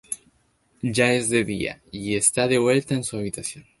Ya es de día y está de vuelta en su habitación.